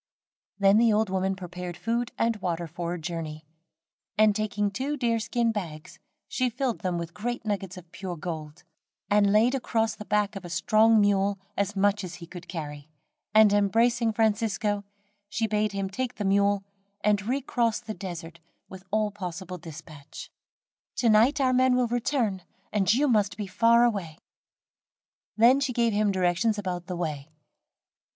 Then the old woman prepared food and water for a journey, and taking two deer skin bags, she filled them with great nuggets of pure gold, and laid across the back of a strong mule, as much as he could carry, and embracing Francisco, she bade him take the mule and recross the desert with all possible dispatch. "To night our men will return, and you must be far away." Then she gave him directions about the way.